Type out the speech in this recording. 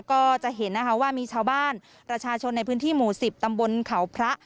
ก็จะเห็นนะคะว่ามีชาวบ้านประชาชนในพื้นที่หมู่๑๐ตำบลเขาพระ